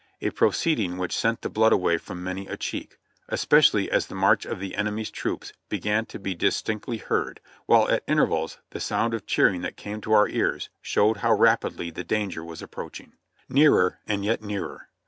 a proceeding which sent the blood away from many a cheek, especially as the march of the enemy's troops began to be dis tinctly heard, while at intervals the sound of cheering that came to our ears showed how rapidly the danger was approaching. Nearer and yet nearer